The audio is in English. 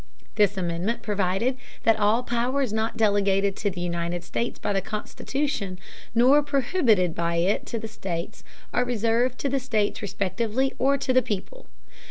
This amendment provided that "all powers not delegated to the United States by the Constitution nor prohibited by it to the states are reserved to the states respectively or to the people."